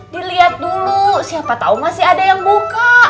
diliat dulu siapa tau masih ada yang buka